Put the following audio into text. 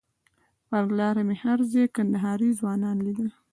پر لاره مې هر ځای کندهاري ځوانان لیدل.